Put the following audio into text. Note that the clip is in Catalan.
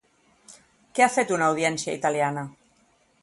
Què ha fet una audiència italiana?